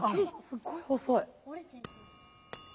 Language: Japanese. すごい細い。